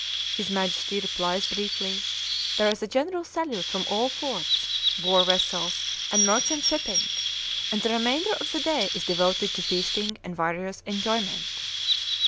His Majesty replies briefly; there is a general salute from all forts, war vessels, and merchant shipping; and the remainder of the day is devoted to feasting and various enjoyment.